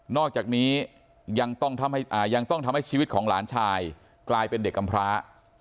อกจากนี้ยังต้องทำให้ชีวิตของหลานชายกลายเป็นเด็กกำพร้า